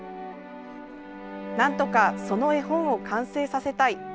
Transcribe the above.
なんとかその絵本を完成させたい。